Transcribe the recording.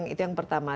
itu yang pertama